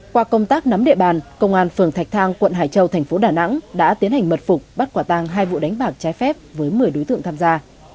qua công tác nắm địa bàn công an phường thạch thang quận hải châu thành phố đà nẵng đã tiến hành mật phục bắt quả tàng hai vụ đánh bạc trái phép với một mươi đối tượng tham gia